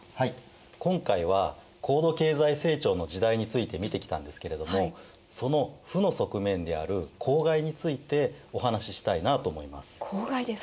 今回は高度経済成長の時代について見てきたんですけれどもその負の側面である公害についてお話ししたいなと思います。